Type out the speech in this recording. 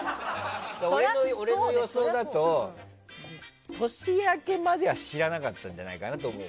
俺の予想だと年明けまでは知らなかったんじゃないかなと思う。